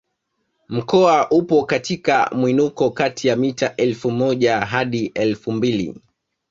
Mkoa upo katika mwinuko kati ya mita elfu moja hadi elfu mbili